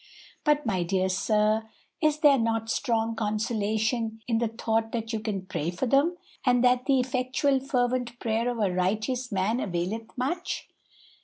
"But, my dear sir, is there not strong consolation in the thought that you can pray for them, and that 'the effectual fervent prayer of a righteous man availeth much'?"